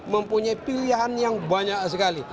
mempunyai pilihan yang banyak sekali